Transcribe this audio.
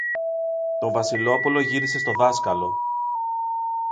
Το Βασιλόπουλο γύρισε στο δάσκαλο.